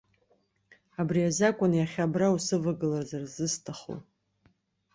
Абри азакәын иахьа абра усывагылазар зысҭаху!